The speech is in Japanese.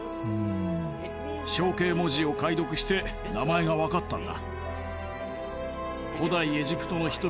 象形文字を解読して名前がわかったんだ。